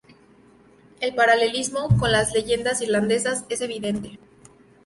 El paralelismo con las leyendas irlandesas es evidente.